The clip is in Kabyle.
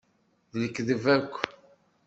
D lekdeb akk.